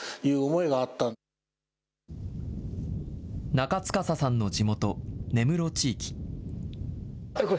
中司さんの地元、根室地域。